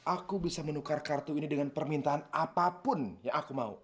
aku bisa menukar kartu ini dengan permintaan apapun yang aku mau